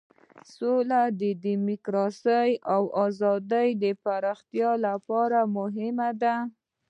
سوله د دموکراسۍ او ازادۍ پراختیا لپاره مهمه ده.